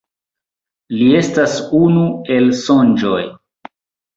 Li estas unu el Sonĝoj.